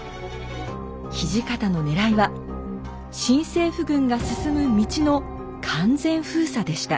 土方のねらいは新政府軍が進む道の完全封鎖でした。